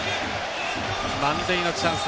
満塁のチャンス。